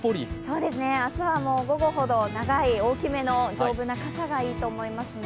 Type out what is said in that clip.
明日は午後ほど長い大きめの丈夫な傘がいいと思いますね。